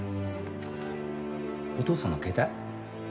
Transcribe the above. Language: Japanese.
お父さんの携帯？